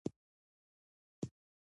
د حل لارې وړاندیز کړئ.